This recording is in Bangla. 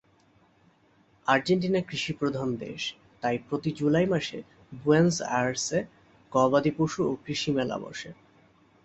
আর্জেন্টিনা কৃষিপ্রধান দেশ, তাই প্রতি জুলাই মাসে বুয়েনোস আইরেসে গবাদি পশু ও কৃষি মেলা বসে।